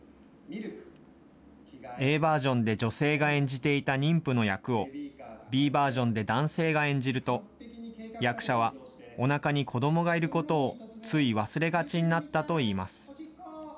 Ａバージョンで女性が演じていた妊婦の役を、Ｂバージョンで男性が演じると、役者はおなかに子どもがいることをつい忘れがちにな